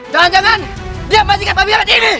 jangan jangan dia masing masing pabian ini